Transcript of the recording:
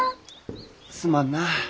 すまんな。